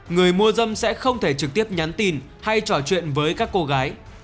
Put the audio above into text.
người mua dâm sẽ không thể trực tiếp nhắn tin hay trò chuyện với các cô gái